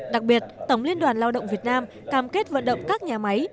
đặc biệt tổng liên đoàn lao động việt nam cam kết vận động các nhà máy